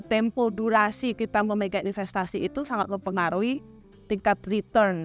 tempo durasi kita memegang investasi itu sangat mempengaruhi tingkat return